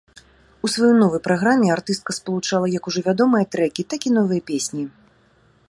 У сваёй новай праграме артыстка спалучала як ужо вядомыя трэкі, так і новыя песні.